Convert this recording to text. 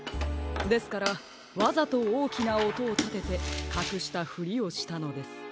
ですからわざとおおきなおとをたててかくしたふりをしたのです。